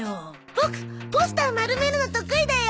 ボクポスター丸めるの得意だよ。